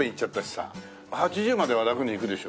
８０までは楽にいくでしょ。